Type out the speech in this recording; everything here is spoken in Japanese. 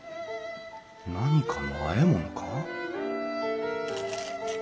何かのあえ物か？